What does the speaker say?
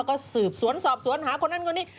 ก็สืบสวนสอบสวนหาคนนั้นคนนี้